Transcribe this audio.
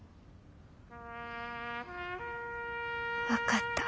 分かった。